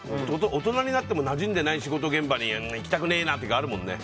大人になってもなじんでない仕事現場に行きたくねえなって時あるもんね。